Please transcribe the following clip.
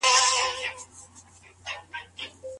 د بېلارېتوب اصلي عوامل بايد په دقت وڅېړل سي.